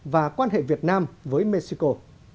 và quan hệ việt nam với mexico